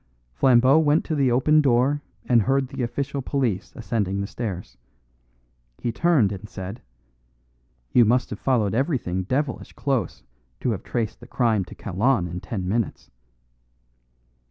Flambeau went to the open door and heard the official police ascending the stairs. He turned and said: "You must have followed everything devilish close to have traced the crime to Kalon in ten minutes."